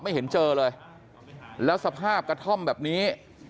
ไม่เห็นเจอเลยแล้วสภาพกระท่อมแบบนี้